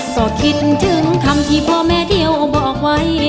ก็คิดถึงคำที่พ่อแม่เที่ยวบอกไว้